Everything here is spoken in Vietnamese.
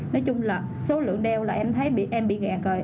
nói chung là số lượng đeo là em thấy em bị gạt rồi